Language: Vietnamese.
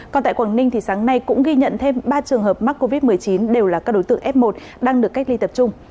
còn tại quảng ninh thì sáng nay cũng ghi nhận thêm ba trường hợp mắc covid một mươi chín đều là các đối tượng f một đang được cách ly tập trung